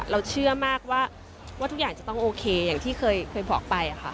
เราเชื่อมากว่าทุกอย่างจะต้องโอเคอย่างที่เคยบอกไป